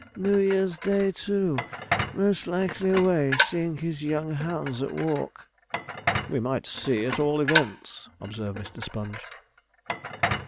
'New Year's Day, too most likely away, seeing his young hounds at walk.' 'We might see, at all events,' observed Mr. Sponge.